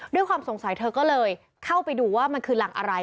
ด้วยความสงสัยเธอก็เลยเข้าไปดูว่ามันคือรังอะไร